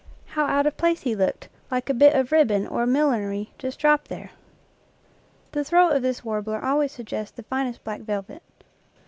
How out of place he looked, like a bit of ribbon or millinery just dropped there ! The throat of this warbler always suggests the finest black velvet.